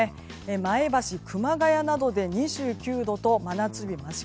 前橋、熊谷などで２９度と真夏日間近。